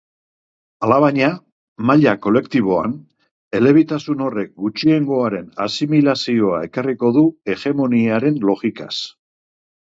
Alabaina, maila kolektiboan, elebitasun horrek gutxiengoaren asimilazioa ekarriko du hegemoniaren logikaz.